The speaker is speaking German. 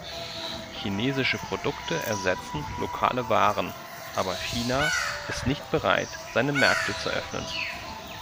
Chinesische Produkte ersetzen lokale Waren, aber China ist nicht bereit, seine Märkte zu öffnen.